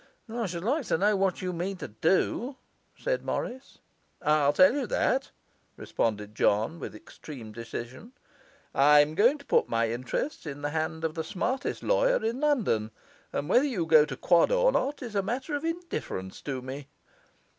'I should like to know what you mean to do,' said Morris. 'I'll tell you that,' responded John with extreme decision. 'I'm going to put my interests in the hands of the smartest lawyer in London; and whether you go to quod or not is a matter of indifference to me.